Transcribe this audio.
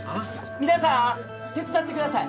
皆さーん手伝ってください